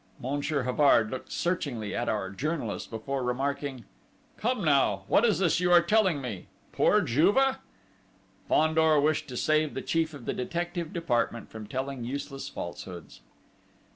Monsieur Havard looked searchingly at our journalist, before remarking: "Come now! What is this you are telling me? Poor Juve?..." Fandor wished to save the chief of the detective department from telling useless falsehoods.